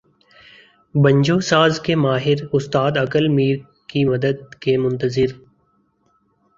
بنجو ساز کے ماہر استاد عقل میر کی مدد کے منتظر